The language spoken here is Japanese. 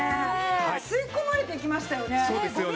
吸い込まれていきましたよね。